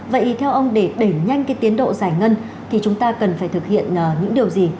vậy theo ông để đẩy nhanh cái tiến độ giải ngân thì chúng ta cần phải thực hiện những điều gì